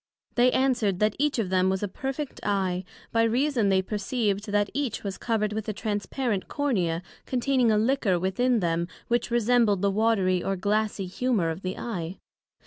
They answered, That each of them was a perfect Eye, by reason they perceived that each was covered with a Transparent Cornea, containing a liquor within them, which resembled the watery or glassie humor of the Eye.